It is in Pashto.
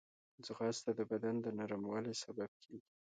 ځغاسته د بدن د نرموالي سبب کېږي